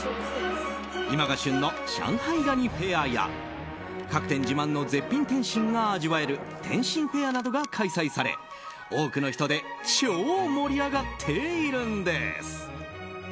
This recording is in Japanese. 今が旬の上海蟹フェアや各店自慢の絶品点心が味わえる点心フェアなどが開催され多くの人で超盛り上がっているんです。